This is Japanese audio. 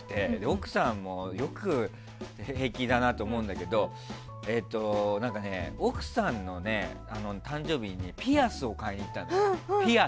奥さんもよく平気だなと思うんだけど奥さんの誕生日にピアスを買いに行ったんです。